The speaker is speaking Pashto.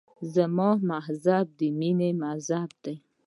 زما مذهب د مینې مذهب دی.